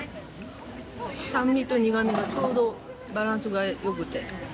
酸味と苦みがちょうどバランスが良くて。